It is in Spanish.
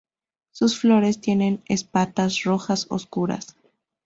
Sus flores tienen espatas rojas oscuras.